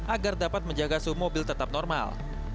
agar dapat menjaga suhu mobil tetap normal